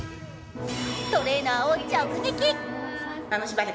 トレーナーを直撃！